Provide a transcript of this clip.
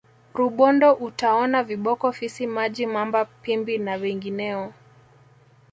rubondo utaona viboko fisi maji mamba pimbi na wengineo